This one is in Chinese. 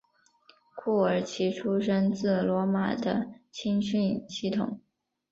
库尔奇出身自罗马的青训系统。